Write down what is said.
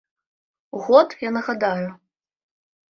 У год, я нагадаю.